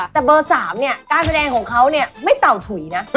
แต่เบอร์๓เนี่ยการแสดงของเขาเนี่ยไม่เต่าถุยนะ